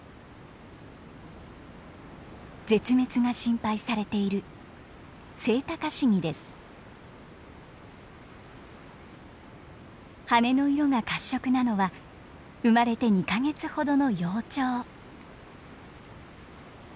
絶滅が心配されている羽の色が褐色なのは生まれて２か月ほどの幼鳥。